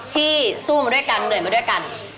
ที่สู้มาด้วยกันเหนื่อยมาด้วยกัน